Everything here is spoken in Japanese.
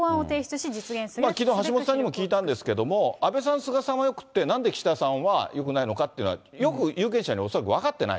きのう、橋下さんにも聞いたんですけれども、安倍さん、菅さんはよくって、なんで岸田さんはよくないのかっていうのは、よく有権者も分かってない。